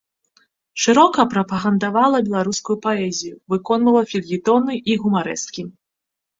Шырока прапагандавала беларускую паэзію, выконвала фельетоны і гумарэскі.